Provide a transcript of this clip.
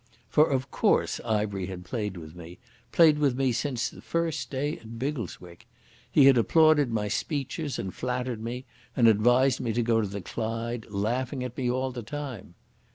For of course Ivery had played with me, played with me since the first day at Biggleswick. He had applauded my speeches and flattered me, and advised me to go to the Clyde, laughing at me all the time.